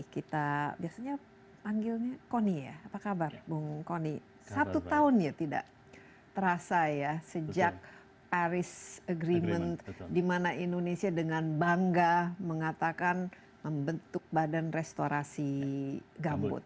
kita biasanya panggilnya koni ya apa kabar bung kony satu tahun ya tidak terasa ya sejak paris agreement dimana indonesia dengan bangga mengatakan membentuk badan restorasi gambut